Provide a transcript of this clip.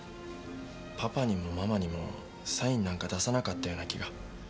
パパにもママにもサインなんか出さなかったような気が。